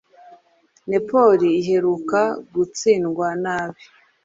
Napoli iheruka gutsindwa nabi